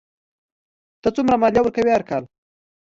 ته څومره مالیه ورکوې هر کال؟